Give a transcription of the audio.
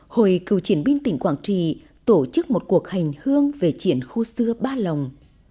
hồi cựu chiến binh tỉnh quảng trì tổ chức một cuộc hành hương về triển khu xưa ba lòng